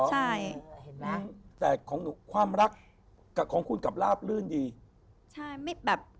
ฮ่ะแต่ความรักหรือของคุณก็ระร้าปลื่นดี